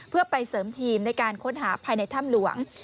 เพื่อไปเสริมทีมในการค้นหาภายในถ้ำหลวง